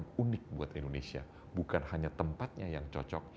yang unik buat indonesia bukan hanya tempatnya yang cocok